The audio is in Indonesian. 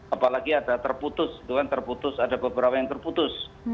apalagi ada terputus ada beberapa yang terputus